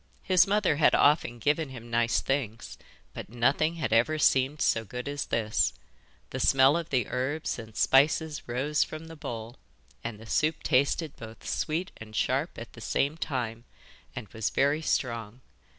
His mother had often given him nice things, but nothing had ever seemed so good as this. The smell of the herbs and spices rose from the bowl, and the soup tasted both sweet and sharp at the same time, and was very strong.